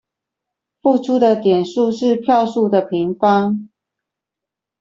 付出的點數是票數的平方